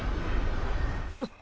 あっ。